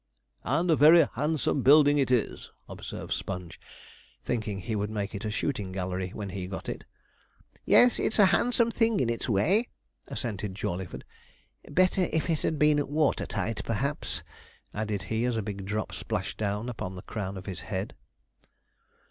'And a very handsome building it is,' observed Sponge, thinking he would make it a shooting gallery when he got it. 'Yes, it's a handsome thing in its way,' assented Jawleyford; 'better if it had been water tight, perhaps,' added he, as a big drop splashed upon the crown of his head.